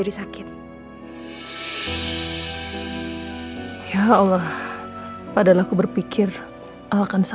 di rumahnya sendiri sa